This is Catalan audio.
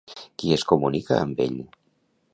Qui es comunica amb ell?